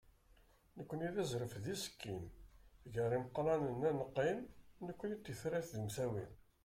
nekkni d azref d isekkim, gar imeqranen ad neqqim, nekkni d tifrat d umtawi.